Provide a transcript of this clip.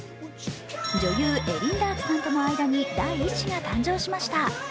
女優、エリン・ダークさんとの間に第１子が誕生しました。